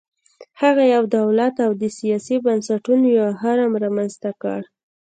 هغه یو دولت او د سیاسي بنسټونو یو هرم رامنځته کړل